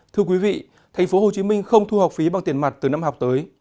thưa quý vị tp hcm không thu học phí bằng tiền mặt từ năm học tới